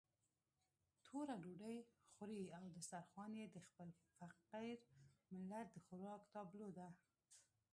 توره ډوډۍ خوري او دسترخوان يې د خپل فقير ملت د خوراک تابلو ده.